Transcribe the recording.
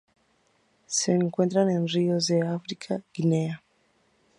Se encuentran en ríos de África: Guinea.